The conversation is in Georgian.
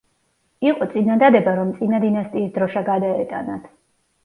იყო წინადადება რომ წინა დინასტიის დროშა გადაეტანათ.